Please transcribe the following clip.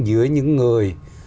giữa những người